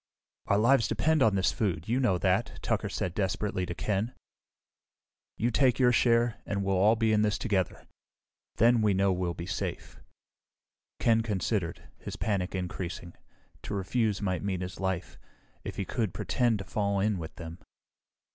"Our lives depend on this food, you know that," Tucker said desperately to Ken. "You take your share, and we'll all be in this together. Then we know we'll be safe." Ken considered, his panic increasing. To refuse might mean his life. If he could pretend to fall in with them....